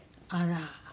あら。